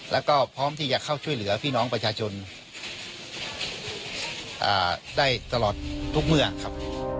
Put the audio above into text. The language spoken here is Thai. แล้วก็พร้อมที่จะเข้าช่วยเหลือพี่น้องประชาชนได้ตลอดทุกเมื่อครับ